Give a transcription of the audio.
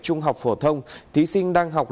trung học phổ thông thí sinh đang học